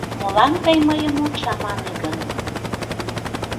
Молан тый мыйым от чамане гын?